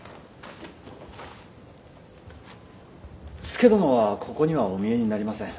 佐殿はここにはお見えになりません。